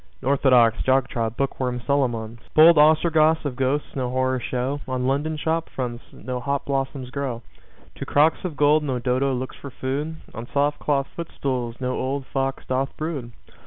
Orthodox, jog trot, book worm Solomons! Bold Ostrogoths of ghosts no horror show. On London shop fronts no hop blossoms grow. To crocks of gold no Dodo looks for food. On soft cloth footstools no old fox doth brood.